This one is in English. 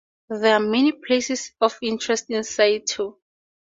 There are many places of interest in Saito.